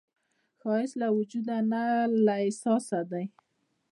ښایست له وجوده نه، له احساسه دی